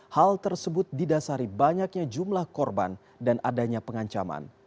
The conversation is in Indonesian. hal tersebut didasari banyaknya jumlah korban dan adanya pengancaman